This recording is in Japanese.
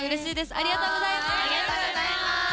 ありがとうございます。